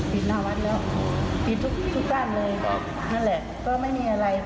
หน้าวัดแล้วปิดทุกด้านเลยนั่นแหละก็ไม่มีอะไร